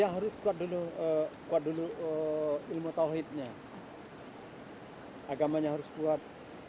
ya harus kuat dulu ilmu tawhidnya agamanya harus kuat